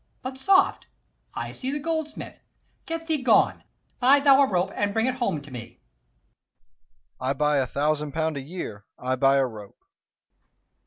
But, soft! I see the goldsmith. Get thee gone; Buy thou a rope, and bring it home to me. 20 Dro. E. I buy a thousand pound a year: I buy a rope.